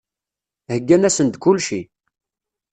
Heyyan-asen-d kulci.